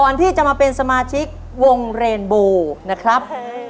ก่อนที่จะมาเป็นสมาชิกวงเรนโบนะครับ